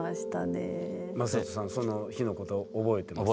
昌人さんその日のこと覚えてますか？